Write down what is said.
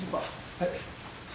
はい。